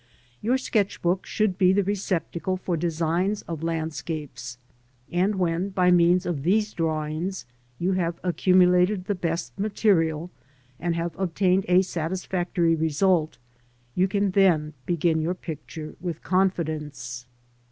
Your sketch book should be the receptacle for designs of landscapes, and when by means of these drawings you have accumulated the best material and have obtained a satisfactory result, you can then begin your picture with confidence.